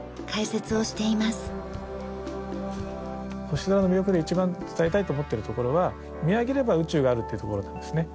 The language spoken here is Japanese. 星空の魅力で一番伝えたいと思っているところは見上げれば宇宙があるっていうところなんですね。